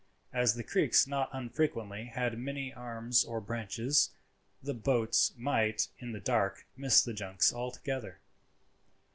As the creeks not unfrequently had many arms or branches, the boats might, in the dark, miss the junks altogether.